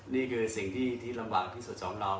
นี่คือสิ่งที่ลำบากที่สุดของเรา